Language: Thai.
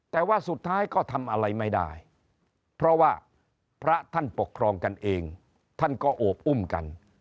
แต่ว่าสุดท้ายก็ทำอะไรไม่ได้เพราะว่าพระท่านปกครองกันเองท่านก็โอบอุ้มกัน